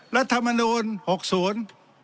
รัฐมนตร์๖๐